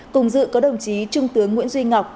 cùng dự có đồng chí trung tướng nguyễn duy ngọc